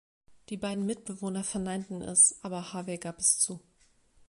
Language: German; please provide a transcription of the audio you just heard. Die beiden Mitbewohner verneinten es, aber Harvey gab es zu.